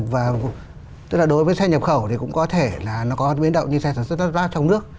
và tức là đối với xe nhập khẩu thì cũng có thể là nó có biến đổi như xe sản xuất laptop trong nước